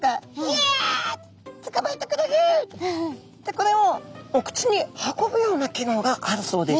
これをお口に運ぶような機能があるそうです。